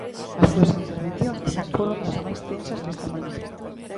As súas intervencións tamén foron das máis tensas desta mañá.